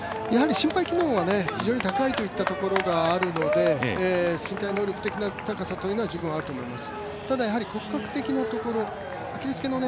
心肺機能は非常に高いといったところがあるので身体能力的な高さというのは十分あります。